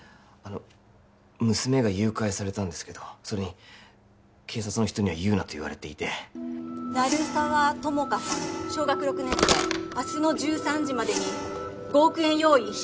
あの娘が誘拐されたんですけどそれに警察の人には言うなと言われていて鳴沢友果さん小学６年生明日の１３時までに５億円用意